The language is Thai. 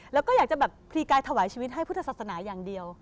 แล้วก็อยากจะแบบพลีกายถวายชีวิตให้พุทธศาสนาอย่างเดียว